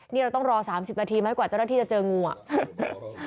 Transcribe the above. นี่เราต้องรอ๓๐นาทีให้เจ้าหน้าที่ไปเจองู